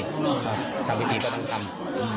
ทำพิธีก็ต้องทำ